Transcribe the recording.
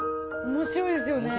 面白いですよね。